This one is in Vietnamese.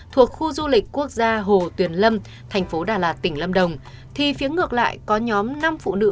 thuộc khu du lịch quốc gia hồ tuyền lâm thành phố đà lạt tỉnh lâm đồng thì phía ngược lại có nhóm năm phụ nữ